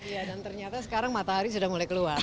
iya dan ternyata sekarang matahari sudah mulai keluar